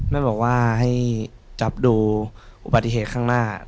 แม่บอกว่าให้จับดูอุบัติเหตุข้างหน้า